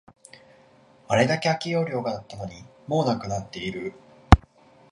あれだけ空き容量があったのに、もうなくなっている